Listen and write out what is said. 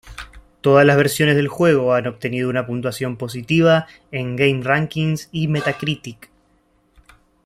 Todas las versiones del juego han obtenido una puntuación positiva en GameRankings y Metacritic.